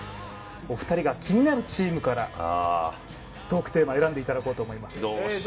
お二人が気になるチームからトークテーマを選んでいただこうと思います。